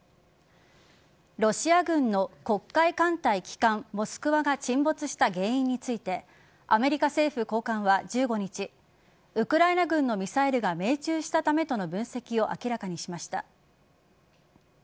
ロシア軍の黒海艦隊旗艦「モスクワ」が沈没した原因についてアメリカ政府高官は１５日ウクライナ軍のミサイルが命中したためとの分析を明らかにしました。